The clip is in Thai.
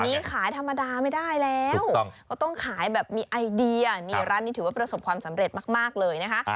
อันนี้ขายธรรมดาไม่ได้แล้วเขาต้องขายแบบมีไอเดียนี่ร้านนี้ถือว่าประสบความสำเร็จมากเลยนะคะ